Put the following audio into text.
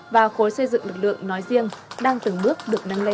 và khối xây dựng lực lượng nói riêng đang từng bước được nâng lên